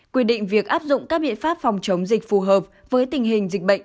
quy định việc áp dụng các biện pháp phòng chống dịch phù hợp với tình hình dịch bệnh